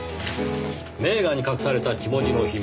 「名画に隠された血文字の秘密